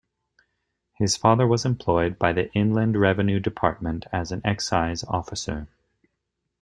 His father was employed by the Inland Revenue Department as an excise officer.